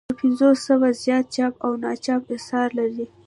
تر پنځو سوو زیات چاپ او ناچاپ اثار لري.